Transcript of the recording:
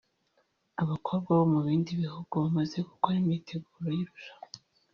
Abakobwa bo mu bindi bihugu bamaze gukora imyiteguro y’irushanwa